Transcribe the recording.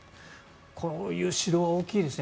こういう指導は大きいですね